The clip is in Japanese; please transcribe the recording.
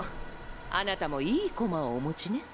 あなたもいい駒をお持ちね。